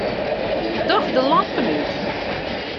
Doch de lampen út.